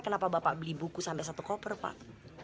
kenapa bapak beli buku sampai satu koper pak